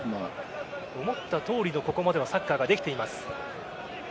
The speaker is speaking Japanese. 思ったとおりのここまではサッカーができています。